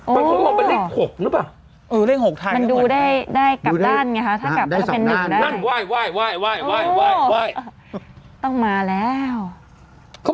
มันมีแคล็กที่เลขไข่